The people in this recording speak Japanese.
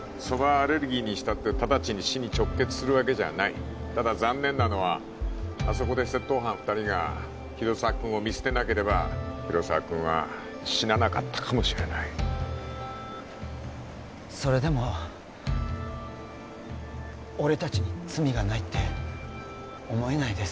アレルギーにしたって直ちに死に直結するわけじゃないただ残念なのはあそこで窃盗犯二人が広沢君を見捨てなければ広沢君は死ななかったかもしれないそれでも俺達に罪がないって思えないです